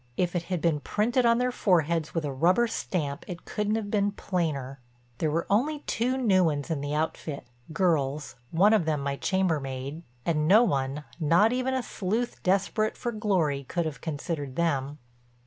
If it had been printed on their foreheads with a rubber stamp it couldn't have been plainer. There were only two new ones in the outfit—girls, one of them my chambermaid—and no one, not even a sleuth desperate for glory, could have considered them.